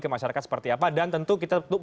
ke masyarakat seperti apa dan tentu kita